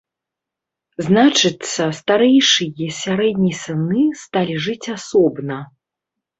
Значыцца, старэйшы і сярэдні сыны сталі жыць асобна.